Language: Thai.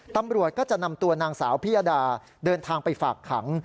ตำรวจก็จะนำตัวนางสาวพิยดาเดินทางไปฝากขัง